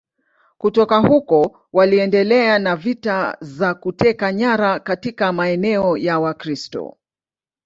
Kutoka huko waliendelea na vita za kuteka nyara katika maeneo ya Wakristo.